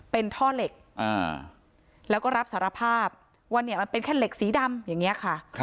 เป็นท่อเหล็กแล้วก็รับสารภาพว่าเนี่ยมันเป็นแค่เหล็กสีดำอย่างนี้ค่ะ